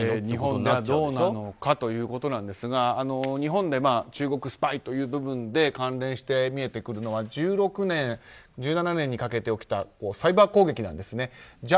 日本がどうなのかということですが日本で中国スパイという部分で関連して見えてくるのは２０１６年、２０１７年にかけて起きたサイバー攻撃なんですね。